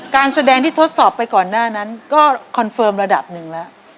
การแสดงที่ทดสอบไปก่อนหน้านั้นก็คอนเฟิร์มระดับหนึ่งแล้ว